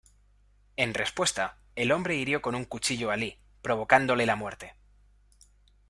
En respuesta, el hombre hirió con un cuchillo a Li, provocándole la muerte.